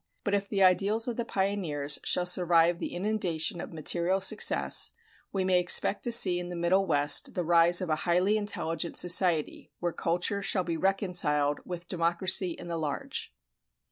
But if the ideals of the pioneers shall survive the inundation of material success, we may expect to see in the Middle West the rise of a highly intelligent society where culture shall be reconciled with democracy in the large.